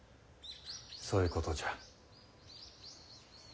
そういうことじゃ。